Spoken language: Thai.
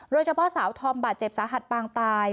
โดยเฉพาะสาวธอมบาดเจ็บสาหัสปางตาย